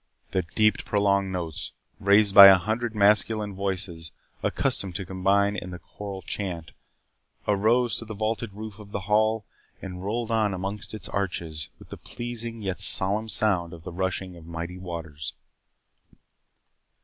The deep prolonged notes, raised by a hundred masculine voices accustomed to combine in the choral chant, arose to the vaulted roof of the hall, and rolled on amongst its arches with the pleasing yet solemn sound of the rushing of mighty waters.